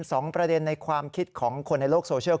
สองประเด็นในความคิดของคนในโลกโซเชียล